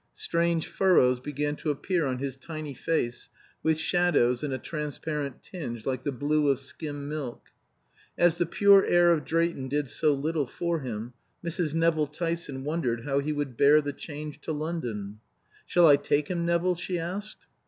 Strange furrows began to appear on his tiny face, with shadows and a transparent tinge like the blue of skim milk. As the pure air of Drayton did so little for him, Mrs. Nevill Tyson wondered how he would bear the change to London. "Shall I take him, Nevill?" she asked.